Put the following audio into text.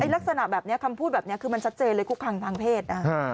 ลักษณะแบบนี้คำพูดแบบนี้คือมันชัดเจนเลยคุกคังทางเพศ